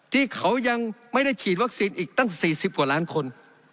ที่เขายังไม่ได้ฉีดวัคซีนอีกตั้ง๔๐กว่าล้านคน